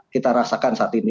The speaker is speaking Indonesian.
kita rasakan saat ini